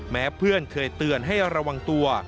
เพื่อนเคยเตือนให้ระวังตัว